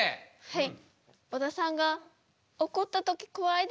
はい。